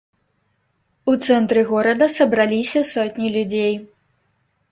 У цэнтры горада сабраліся сотні людзей.